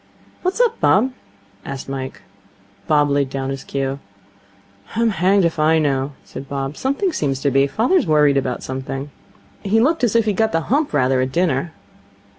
'What's up, Bob?' asked Mike. Bob laid down his cue. 'I'm hanged if I know,' said Bob. 'Something seems to be. Father's worried about something.' 'He looked as if he'd got the hump rather at dinner.'